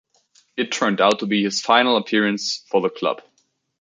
It turned out to be his final appearance for the club.